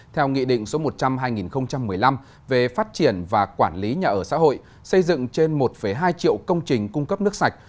theo nghị định số một trăm linh hai nghìn một mươi năm về phát triển và quản lý nhà ở xã hội xây dựng trên một hai triệu công trình cung cấp nước sạch